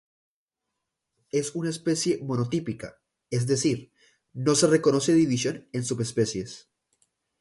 Es una especie monotípica, es decir, no se reconoce división en subespecies.